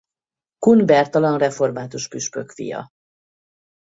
Kun Bertalan református püspök fia.